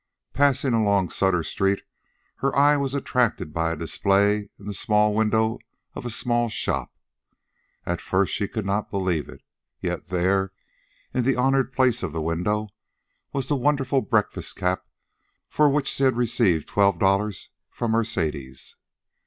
Passing along Sutter Street, her eye was attracted by a display in the small window of a small shop. At first she could not believe it; yet there, in the honored place of the window, was the wonderful breakfast cap for which she had received twelve dollars from Mercedes.